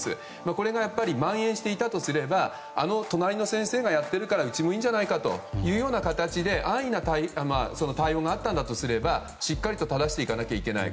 これが蔓延していたとすれば隣の先生がやっているから、うちもいいんじゃないかという形で安易な対応があったとすればしっかりとただしていかなきゃいけない。